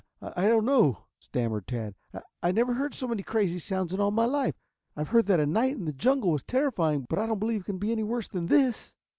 "I I don't know," stammered Tad. "I I never heard so many crazy sounds in all my life. I have heard that a night in the jungle was terrifying, but I don't believe it can be any worse than this."